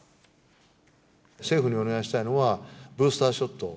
政府にお願いしたいのはブースターショット。